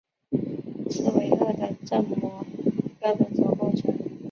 刺猬鳄的正模标本所构成。